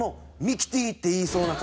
「ミキティ」って言いそうな。